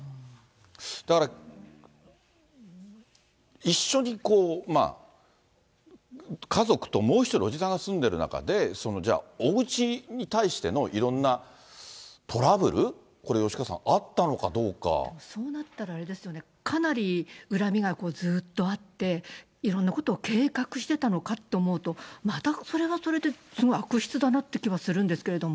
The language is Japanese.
だから、一緒に家族ともう１人伯父さんが住んでる中で、じゃあ、おうちに対してのいろんなトラブル、これ、吉川さん、そうなったらあれですよね、かなり恨みがずっとあって、いろんなことを計画してたのかって思うと、またそれはそれで、すごい悪質だなって気はするんですけど。